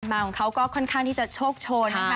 มาของเขาก็ค่อนข้างที่จะโชคชน